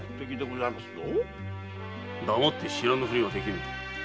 黙って知らぬふりはできん。